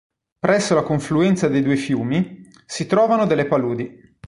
Presso la confluenza dei due fiumi, si trovano delle paludi.